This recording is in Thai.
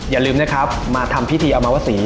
อย่าลืมนะครับมาทำพิธีอมวศรี